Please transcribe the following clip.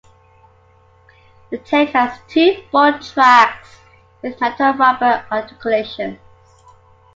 The tank has two bolt tracks with metal-rubber articulations.